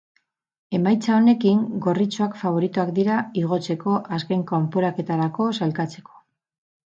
Emaitza honekin gorritxoak faboritoak dira igotzeko azken kanporaketarako sailkatzeko.